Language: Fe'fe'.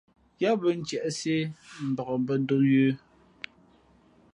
Yáá mbᾱ ntiēʼsē mbak bᾱ ndō yə̌.